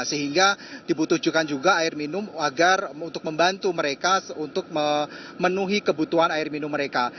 sehingga dibutuhkan juga air minum agar untuk membantu mereka untuk memenuhi kebutuhan air minum mereka